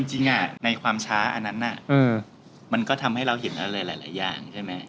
จริงในความช้าอันนั้นมันก็ทำให้เราเห็นอะไรหลายอย่างใช่ไหม